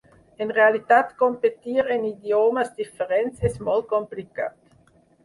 En realitat competir en idiomes diferents és molt complicat.